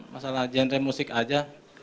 masalah genre musik aja